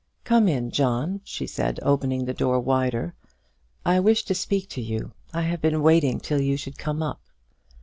"Come in, John," she said, opening the door wider. "I wish to speak to you. I have been waiting till you should come up."